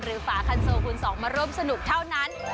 หรือฝาคันโซคุณสองมาร่วมสนุกเท่านั้น